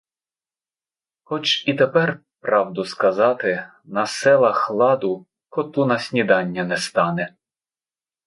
Хоч і тепер, правду сказати, на селах ладу — коту на снідання не стане.